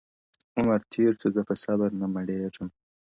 عمر تېر سو زه په صبر نه مړېږم-